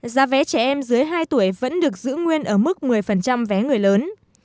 giá vé trẻ em dưới hai tuổi vẫn được giữ nguyên ở mức một mươi vé người lớn